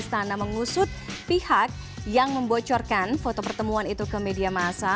istana mengusut pihak yang membocorkan foto pertemuan itu ke media masa